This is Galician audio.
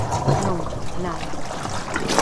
Non, nada.